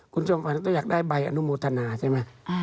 คุณชมฝันต้องอยากได้ใบอนุมูลธนาใช่ไหม